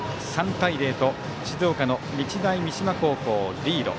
３対０と静岡の日大三島高校がリード。